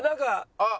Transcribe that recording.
あっ！